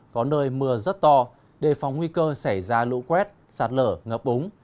có nơi mưa rất to đề phòng nguy cơ xảy ra lũ quét sạt lở ngập úng